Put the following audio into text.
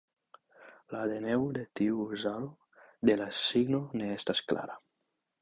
La deveno de tiu uzado de la signo ne estas klara.